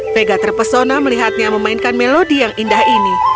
vega terpesona melihatnya memainkan melodi yang indah ini